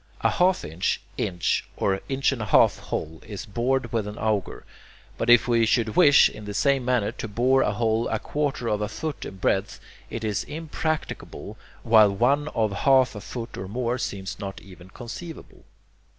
A half inch, inch, or inch and a half hole is bored with an auger, but if we should wish, in the same manner, to bore a hole a quarter of a foot in breadth, it is impracticable, while one of half a foot or more seems not even conceivable.